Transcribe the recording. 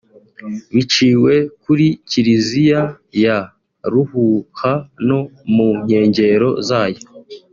biciwe kuri Kiliziya ya Ruhuha no mu nkengero zayo